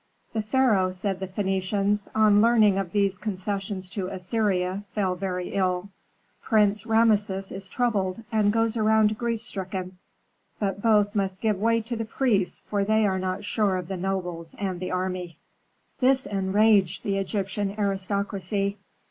"The pharaoh," said the Phœnicians, "on learning of these concessions to Assyria fell very ill. Prince Rameses is troubled, and goes around grief stricken. But both must give way to the priests, for they are not sure of the nobles and the army." This enraged the Egyptian aristocracy.